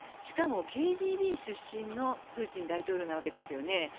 しかもＫＧＢ出身のプーチン大統領なわけですよね。